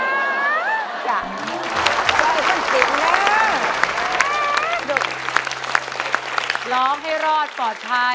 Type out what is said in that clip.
น่ารักครับหรอกให้รอดปลอดภัย